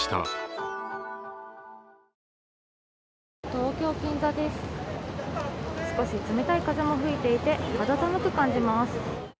東京・銀座です、少し冷たい風も吹いていて肌寒く感じます。